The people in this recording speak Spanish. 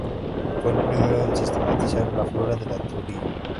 Fue el primero en sistematizar la flora de la Trujillo.